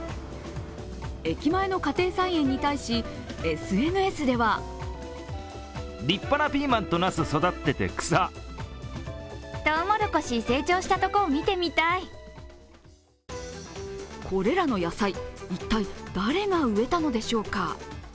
駅前の家庭菜園に対し、ＳＮＳではこれらの野菜、一体誰が植えたのでしょうか。